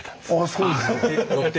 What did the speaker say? そうですか。